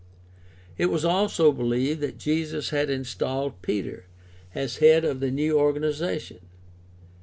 It was also believed that Jesus had installed Peter as head of the new organization (Matt.